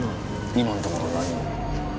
今のところは何も。